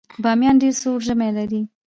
بامیان ډیر سوړ ژمی لري